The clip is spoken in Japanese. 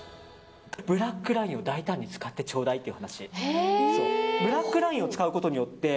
ブラックラインを大胆に使ってちょうだいって話。